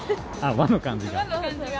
和の感じが？